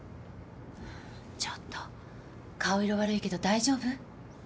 ちょっと顔色悪いけど大丈夫？